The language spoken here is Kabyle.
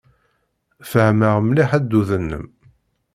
Fehmeɣ mliḥ addud-nnem.